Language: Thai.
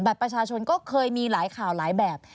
ประชาชนก็เคยมีหลายข่าวหลายแบบ